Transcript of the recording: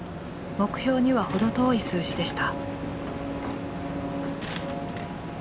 目標には程遠い数字でした。